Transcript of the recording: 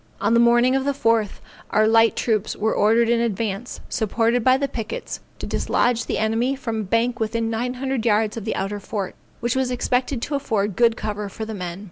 On the morning of the 4th, our light troops were ordered in advance, supported by the pickets, to dislodge the enemy from a bank within nine hundred yards of the outer fort, which was expected to afford good cover for the men.